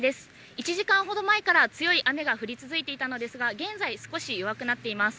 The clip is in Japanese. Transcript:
１時間ほど前から強い雨が降り続いていたのですが、現在、少し弱くなっています。